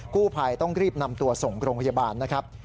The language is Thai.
กู้ภัยต้องรีบนำตัวส่งโรงพยาบาลนะครับ